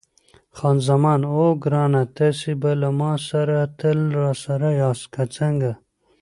خان زمان: اوه ګرانه، تاسي به له ما سره تل راسره یاست، که څنګه؟